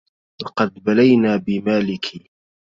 لقد بلينا بمالكي